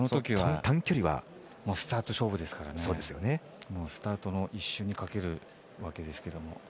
短距離はスタート勝負ですからスタートの一瞬にかけるわけですけども。